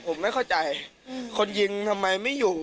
ผมไม่เข้าใจคนยิงทำไมไม่อยู่